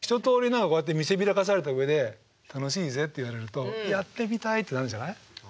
何かこうやって見せびらかされた上で「楽しいぜ」って言われると「やってみたい！」ってなるんじゃない？